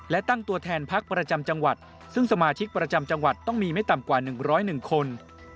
และตั้งตัวแทนพักประจำจังหวัดซึ่งสมาชิกประจำจังหวัดต้องมีไม่ต่ำกว่า๑๐๑คน